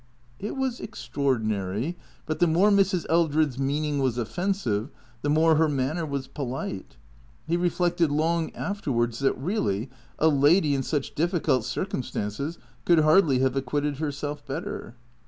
It was extraordinary, but the more Mrs. Eldred's meaning was offensive, the more her manner was polite. He reflected long afterwards that, really, a lady, in such difficult circum stances, could hardly have acquitted herself better.